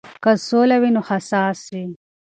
که سوله وي نو حساس وي.